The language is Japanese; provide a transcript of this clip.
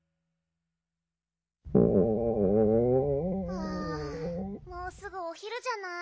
はぁもうすぐおひるじゃない？